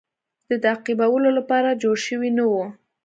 د تعقیبولو لپاره جوړ شوی نه وو.